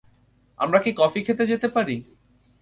আমরা কী কফি খেতে যেতে পারি?